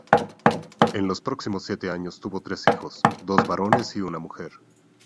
En los próximos siete años tuvo tres hijos: dos varones y una mujer.